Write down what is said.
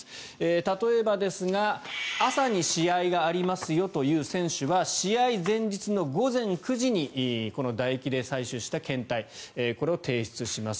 例えばですが、朝に試合がありますよという選手は試合前日の午前９時にだ液で採取した検体これを提出します。